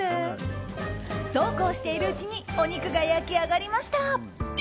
そうこうしているうちにお肉が焼き上がりました。